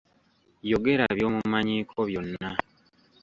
Yogera by'omumanyiiko byonna.